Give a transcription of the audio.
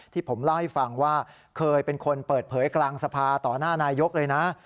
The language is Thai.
ที่ผมเล่าให้ฟังว่าเคยเป็นคนเปิดเผยกลางสภาต่อหน้านายกเลยนะ